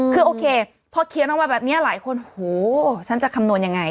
คือโอเคพอเขียนออกมาแบบนี้หลายคนโหฉันจะคำนวณยังไง